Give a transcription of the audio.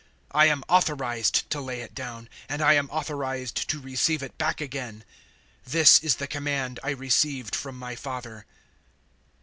I am authorized to lay it down, and I am authorized to receive it back again. This is the command I received from my Father."